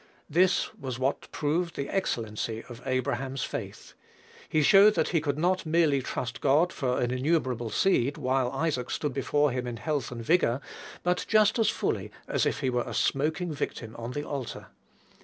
This was what proved the excellency of Abraham's faith. He showed that he could not merely trust God for an innumerable seed while Isaac stood before him in health and vigor; but just as fully if he were a smoking victim on the altar.